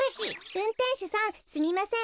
うんてんしゅさんすみません